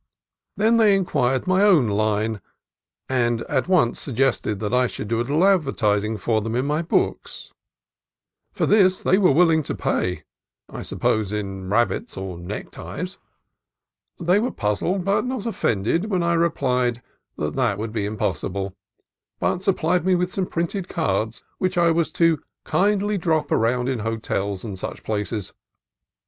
Then they inquired my own "line," and at once suggested that I should do a little advertising for them in my books. For this they were willing to pay (I suppose in rabbits or LAS CRUCES 105 neckties). They were puzzled, but not offended, when I replied that that would be impossible, but supplied me with some printed cards which I was to "kinder drop around in hotels and sich places."